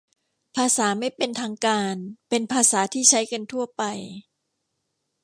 ภาษาไม่เป็นทางการเป็นภาษาที่ใช้กันทั่วไป